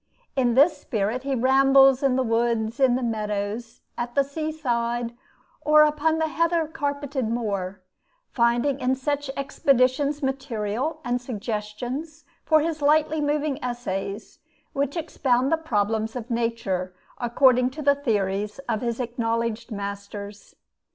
In this spirit he rambles in the woods, in the meadows, at the seaside, or upon the heather carpeted moor, finding in such expeditions material and suggestions for his lightly moving essays, which expound the problems of Nature according to the theories of his acknowledged masters.